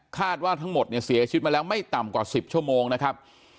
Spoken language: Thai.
คาดว่าทั้งหมดเนี่ยเสียชีวิตมาแล้วไม่ต่ำกว่า๑๐ชั่วโมงนะครับ